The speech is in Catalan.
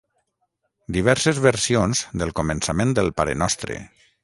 Diverses versions del començament del Parenostre.